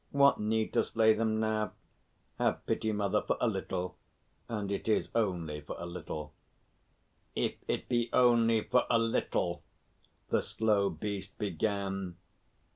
What need to slay them now? Have pity, mother, for a little and it is only for a little." "If it be only for a little," the slow beast began.